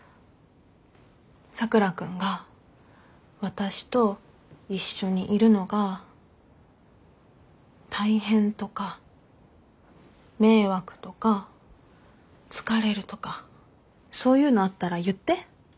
佐倉君が私と一緒にいるのが大変とか迷惑とか疲れるとかそういうのあったら言って。